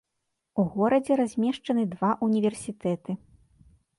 У горадзе размешчаны два ўніверсітэты.